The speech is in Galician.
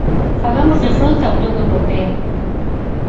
Fagámoslle fronte á Unión Europea.